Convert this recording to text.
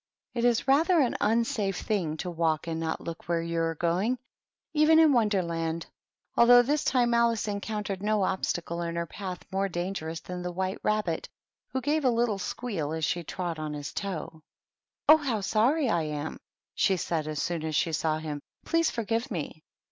It is rather an unsafe thing to walk and not look where you are going, even in Wonderland; although this time Alice encountered no ohstacle in her path more dangerous than the White Bah bit, who gave a little squeal as she trod on his toe. "Oh, how sorry I am !" she said, as soon as she saw him, "Please forgive me."